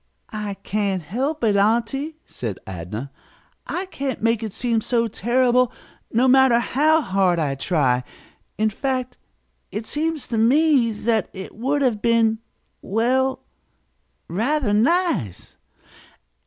"I can't help it, aunty," said Adnah. "I can't make it seem so terrible, no matter how hard I try. In fact it it seems to me that it would have been well rather nice."